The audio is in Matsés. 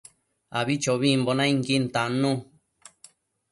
Abichobimbo nainquin tannu